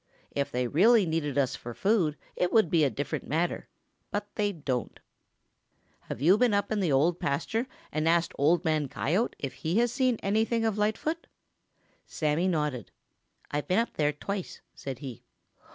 If they really needed us for food, it would be a different matter, but they don't. Have you been up in the Old Pasture and asked Old Man Coyote if he has seen anything of Lightfoot?" Sammy nodded. "I've been up there twice," said he.